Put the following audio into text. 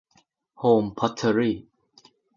โฮม พอตเทอรี่